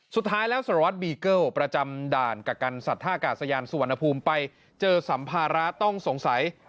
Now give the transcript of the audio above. สุดท้ายแล้วสารวัตรบีเกิลประจำด่านกักกันสัตว์ท่ากาศยานสุวรรณภูมิไปเจอสัมภาระต้องสงสัย